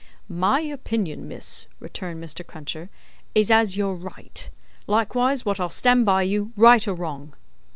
"My opinion, miss," returned Mr. Cruncher, "is as you're right. Likewise wot I'll stand by you, right or wrong."